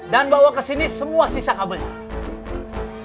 dan bawa ke sini semua sisa kabelnya